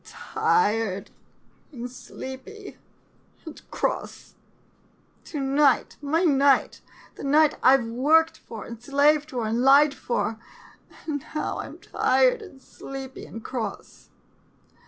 Tired — and sleepy — and cross ! To night — my night — the night I Ve worked for, and slaved for, and lied for — and now, I 'm tired, and sleepy, and cross